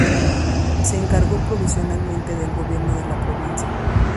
Se encargó provisionalmente del gobierno de la provincia.